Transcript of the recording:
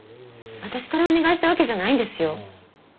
私からお願いしたわけじゃないんですよ。